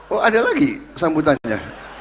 oh ada lagi sambutannya